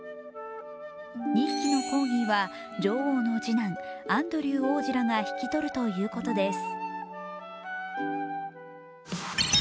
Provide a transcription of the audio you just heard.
２匹のコーギーは、女王の次男アンドリュー王子らが引き取るということです。